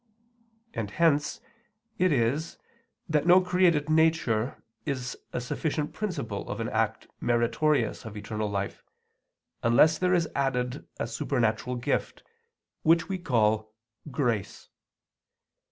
And hence it is that no created nature is a sufficient principle of an act meritorious of eternal life, unless there is added a supernatural gift, which we call grace.